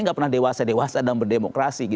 tidak pernah dewasa dewasa dan berdemokrasi